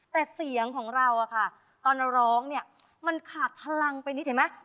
แต่เสียงของเราอะค่ะตอนเราร้องเนี่ยมันขาดพลังไปนิดเห็นไหม